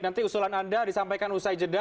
nanti usulan anda disampaikan usai jeda